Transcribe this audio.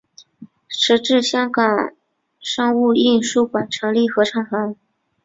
时值香港商务印书馆成立合唱团。